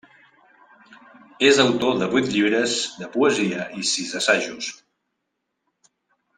És autor de vuit llibres de poesia i sis assajos.